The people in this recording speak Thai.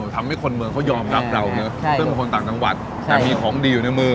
ทำให้คนเมืองเขายอมรับเราซึ่งเป็นคนต่างจังหวัดแต่มีของดีอยู่ในมือ